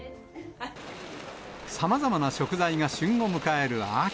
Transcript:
さまざまな食材が旬を迎える秋。